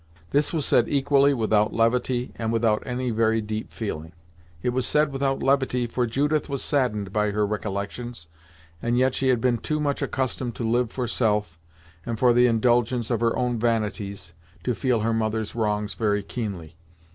This was said equally without levity and without any very deep feeling. It was said without levity, for Judith was saddened by her recollections, and yet she had been too much accustomed to live for self, and for the indulgence of her own vanities, to feel her mother's wrongs very keenly.